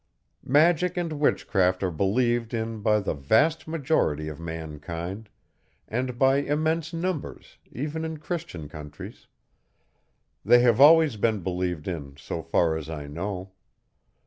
Magic and witchcraft are believed in by the vast majority of mankind, and by immense numbers even in Christian countries. They have always been believed in, so far as I know.